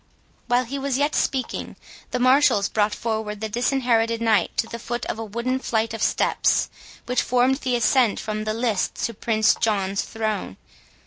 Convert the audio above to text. While he was yet speaking, the marshals brought forward the Disinherited Knight to the foot of a wooden flight of steps, which formed the ascent from the lists to Prince John's throne.